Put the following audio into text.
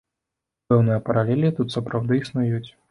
Пэўныя паралелі тут сапраўды існуюць.